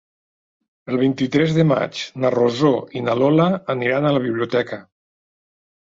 El vint-i-tres de maig na Rosó i na Lola aniran a la biblioteca.